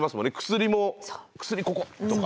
薬も「薬ここ！」とか。